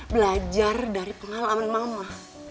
belajar dari pengalaman mama